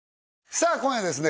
さあ今夜はですね